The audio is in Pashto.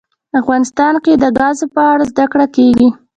افغانستان کې د ګاز په اړه زده کړه کېږي.